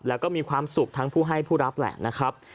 แล้วก็มีความสุขทั้งผู้ให้ผู้รับแหละนะครับ